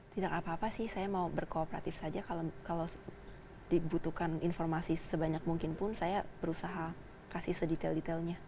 tidak apa apa sih saya mau berkooperatif saja kalau dibutuhkan informasi sebanyak mungkin pun saya berusaha kasih sedetail detailnya